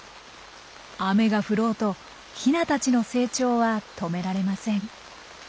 雨が降ろうとヒナたちの成長は止められません。